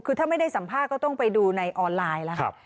คือถ้าไม่ได้สัมภาษณ์ก็ต้องไปดูในออนไลน์แล้วครับ